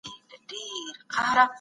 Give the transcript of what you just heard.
د ملکيت حق په ډېرو آيتونو کي ذکر سوی دی.